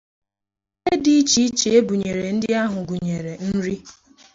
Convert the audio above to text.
Ihe dị iche iche e buyere ndị ahụ gụnyèrè nri